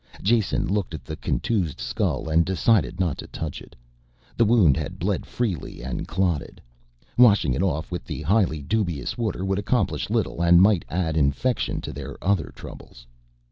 Jason looked at the contused skull, and decided not to touch it. The wound had bled freely and clotted. Washing it off with the highly dubious water would accomplish little and might add infection to their other troubles.